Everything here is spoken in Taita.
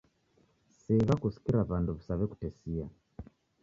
Sigha kusikira w'andu wisaw'ekutesia.